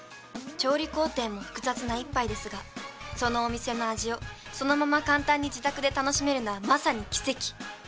調理工程も複雑な一杯ですがそのお店の味をそのまま簡単に自宅で楽しめるのはまさに奇跡。